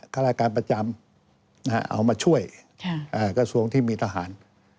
ฆาตการประจำเอามาช่วยกระทรวงที่มีทหาร